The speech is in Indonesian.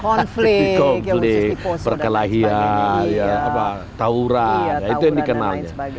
konflik konflik perkelahian taura itu yang dikenalnya